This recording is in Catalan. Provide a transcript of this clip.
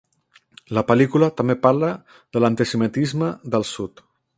La pel·lícula també parla de l'antisemitisme del sud.